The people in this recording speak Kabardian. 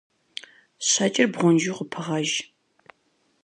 Щэкӏыр бгъунжу къыпыгъэж.